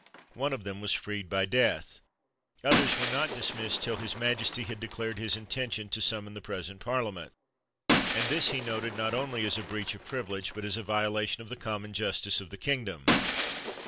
One of them was freed by death. Others were not dismissed till his majesty had declared his intention to summon the present Parliament. And this he noted not only as a breach of privi ege, but as a violation of the common justice of the kingdom.